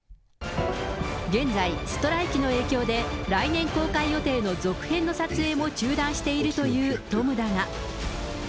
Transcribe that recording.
現在、ストライキの影響で、来年公開予定の続編の撮影も中断しているというトムだが。